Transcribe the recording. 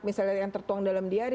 misalnya yang tertuang dalam diari